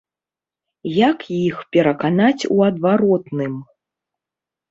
Як іх пераканаць у адваротным?